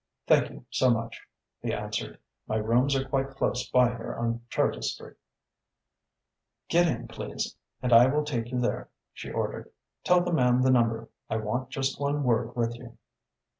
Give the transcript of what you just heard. "Thank you so much," he answered. "My rooms are quite close by here in Clarges Street." "Get in, please, and I will take you there," she ordered. "Tell the man the number. I want just one word with you."